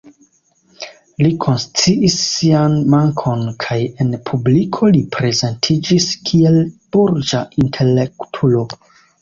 Li konsciis sian mankon kaj en publiko li prezentiĝis kiel „burĝa intelektulo“.